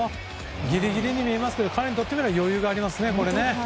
ギリギリに見えますけど彼にとっては余裕がありますね。